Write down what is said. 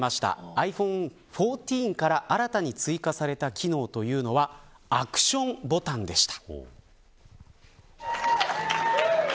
ｉＰｈｏｎｅ１４から新たに追加された機能というのはアクションボタンでした。